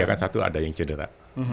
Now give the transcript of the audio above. kan satu ada yang cedera